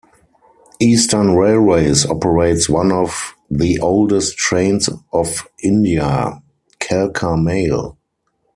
Eastern Railways operates one of the oldest trains of India, Kalka Mail.